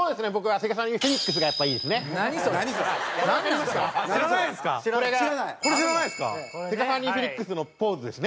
セガサミーフェニックスのポーズですね。